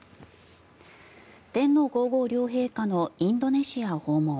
天皇・皇后両陛下のインドネシア訪問。